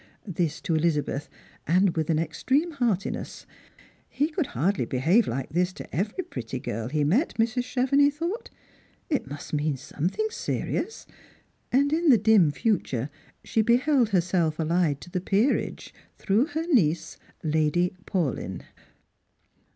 This to Elizabeth, and with an extreme heartiness. He could hardly behave like this to every pretty girl he met, Mrs. Chevenix thought ; it must mean something serious ; and in the dim future she Ijeheld herself allied to the peerage, through her niece. Lady Paulyn.